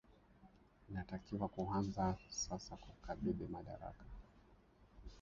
inatakiwa kuanza sasa kukabidhi madaraka